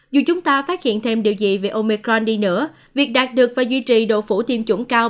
dù chúng ta phát hiện thêm điều gì về omecron đi nữa việc đạt được và duy trì độ phủ tiêm chủng cao